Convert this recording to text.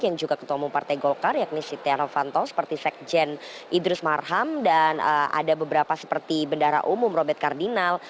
yang juga ketua umum partai golkar yakni setia novanto seperti sekjen idrus marham dan ada beberapa seperti bendara umum robert kardinal